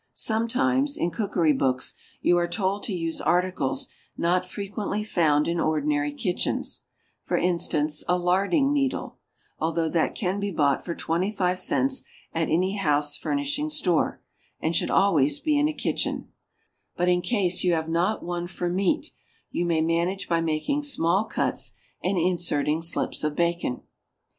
Sometimes, in cookery books, you are told to use articles not frequently found in ordinary kitchens; for instance, a larding needle (although that can be bought for twenty five cents at any house furnishing store, and should always be in a kitchen); but, in case you have not one for meat, you may manage by making small cuts and inserting slips of bacon.